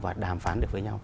và đàm phán được với nhau